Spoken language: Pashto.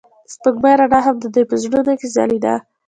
د سپوږمۍ رڼا هم د دوی په زړونو کې ځلېده.